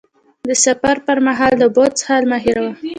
د سفر پر مهال د اوبو څښل مه هېروه.